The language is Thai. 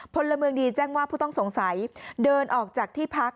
พลเมืองดีแจ้งว่าผู้ต้องสงสัยเดินออกจากที่พัก